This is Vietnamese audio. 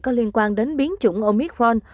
có liên quan đến biến chủng omicron